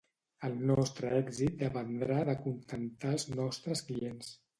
El nostre èxit dependrà d'acontentar els nostres clients.